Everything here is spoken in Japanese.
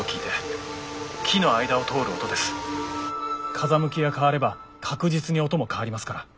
風向きが変われば確実に音も変わりますから。